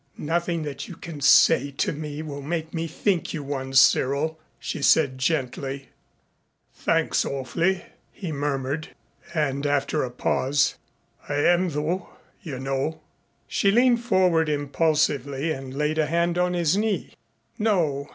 "Nothing that you can say to me will make me think you one, Cyril," she said gently. "Thanks awf'ly," he murmured. And after a pause, "I am though, you know." She leaned forward impulsively and laid a hand on his knee. "No.